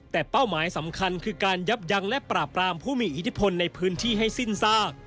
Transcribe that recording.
แต่เป้าหมายสำคัญคือการยับยั้งและปราบรามผู้มีอิทธิพลในพื้นที่ให้สิ้นซาก